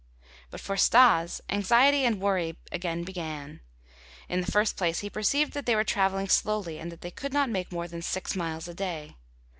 But for Stas anxiety and worry again began. In the first place, he perceived that they were traveling slowly and that they could not make more than six miles a day.